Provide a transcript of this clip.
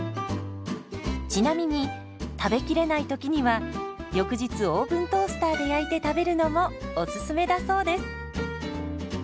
ちなみに食べきれないときには翌日オーブントースターで焼いて食べるのもおすすめだそうです。